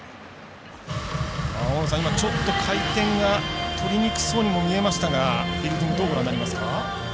大野さん、今ちょっと回転がとりにくそうにも見えましたがどうご覧になりますか？